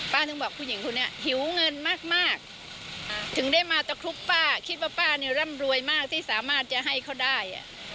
ถึงบอกผู้หญิงคนนี้หิวเงินมากถึงได้มาตะคลุกป้าคิดว่าป้าเนี่ยร่ำรวยมากที่สามารถจะให้เขาได้